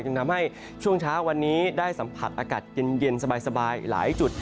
ทำให้ช่วงเช้าวันนี้ได้สัมผัสอากาศเย็นสบายหลายจุด